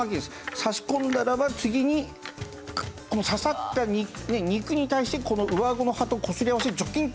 挿し込んだらば次に刺さった肉に対してこの上顎の歯とこすり合わせてジョキンと。